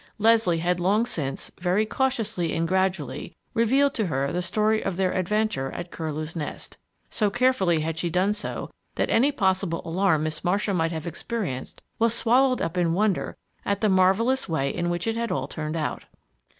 Leslie had long since, very cautiously and gradually, revealed to her the story of their adventure at Curlew's Nest. So carefully had she done so that any possible alarm Miss Marcia might have experienced was swallowed up in wonder at the marvelous way in which it had all turned out.